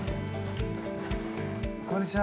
こんにちは。